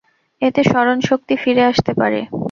এতে স্মরণশক্তি ফিরে আসতে পারে।